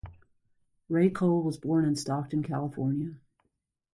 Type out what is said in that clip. Raycole was born in Stockton, California.